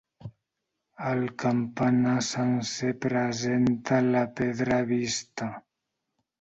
El campanar sencer presenta la pedra vista.